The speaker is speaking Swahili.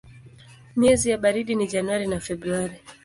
Miezi ya baridi ni Januari na Februari.